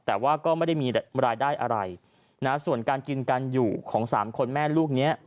แต่ว่าก็ไม่ได้มีรายได้อะไรนะส่วนการกินกันอยู่ของสามคนแม่ลูกเนี้ย